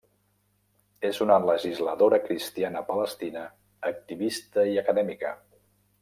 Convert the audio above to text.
És una legisladora cristiana palestina, activista i acadèmica.